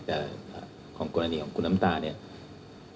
แต่ของกรณีของคุณน้ำตาล